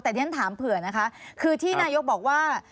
แต่ที่ฉันถามเผื่อนะคะคือที่นายกบอกว่า